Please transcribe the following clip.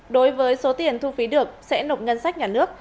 đối với số tiền thu phí được sẽ nộp ngân sách nhà nước